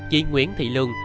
chị nguyễn thị lương